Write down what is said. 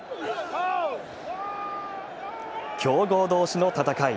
強豪どうしの戦い。